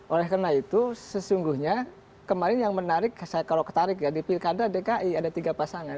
oleh karena itu sesungguhnya kemarin yang menarik saya kalau ketarik ya di pilkada dki ada tiga pasangan